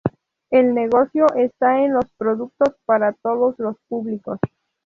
el negocio está en los productos para todos los públicos